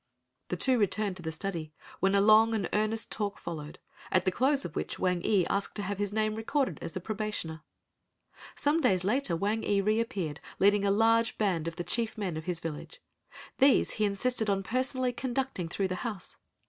The two returned to the study, when a long and earnest talk followed, at the close of which Wang ee asked to have his name recorded as a probationer. Some days later Wang ee reappeared leading a large band of the chief men of his village. These he insisted on personally conducting through the house.